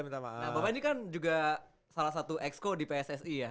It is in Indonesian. bapak ini kan juga salah satu ex co di pssi ya